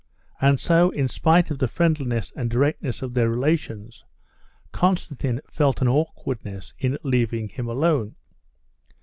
And so in spite of the friendliness and directness of their relations, Konstantin felt an awkwardness in leaving him alone.